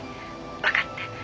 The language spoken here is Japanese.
わかって。